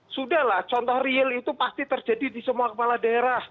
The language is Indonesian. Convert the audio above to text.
sudahlah contoh real itu pasti terjadi di semua kepala daerah